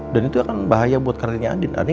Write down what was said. dan itu akan bahaya buat karirnya andien